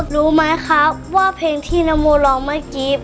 รู้ไหมครับว่าเพลงที่นโมร้องเมื่อกี้